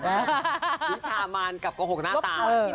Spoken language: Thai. วิชามานกับโกหกหน้าตา